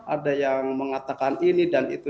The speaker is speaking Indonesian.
ada yang mengatakan ini dan itu